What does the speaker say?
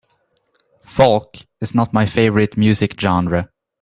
Folk is not my favorite music genre.